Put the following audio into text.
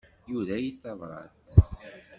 Yura-yi-d tabrat.